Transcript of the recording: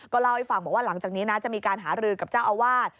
เล่าให้ฟังบอกว่าหลังจากนี้นะจะมีการหารือกับเจ้าอาวาส